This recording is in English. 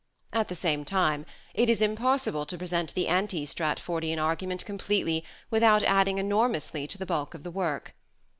At the same time it is impossible to present the anti Stratfordian argument completely without adding enormously to the bulk of the work.